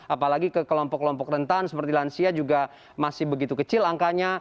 apalagi ke kelompok kelompok rentan seperti lansia juga masih begitu kecil angkanya